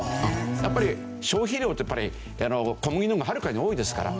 やっぱり消費量って小麦の方がはるかに多いですから。